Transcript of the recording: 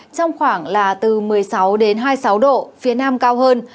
trong khoảng là từ một mươi sáu đến hai mươi sáu độ phía nam cao hơn